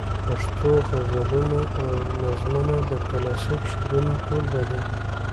پښتو غزلونه او نظمونه د کلاسیک شعرونو ټولګه ده.